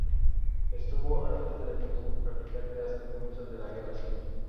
Estuvo al frente del mismo prácticamente hasta el comienzo de la Guerra civil.